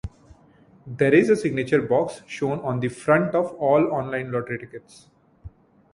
There is a signature box shown on the front of all on-line lottery tickets.